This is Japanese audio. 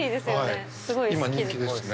今人気ですね。